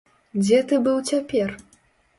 Дзе ты быў цяпер?